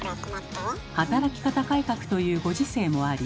働き方改革というご時世もあり。